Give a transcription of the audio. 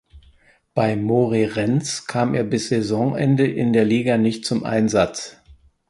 Bei Moreirense kam er bis Saisonende in der Liga nicht zum Einsatz.